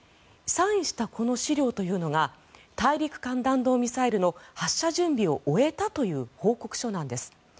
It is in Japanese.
サインしたこの資料というのが大陸間弾道ミサイルの発射準備を終えたという報告書なんです。